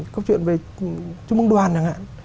có chuyện về chung mong đoàn chẳng hạn